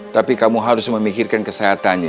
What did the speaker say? tapi kamu harus memikirkan kesehatan nyi